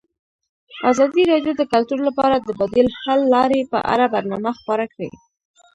ازادي راډیو د کلتور لپاره د بدیل حل لارې په اړه برنامه خپاره کړې.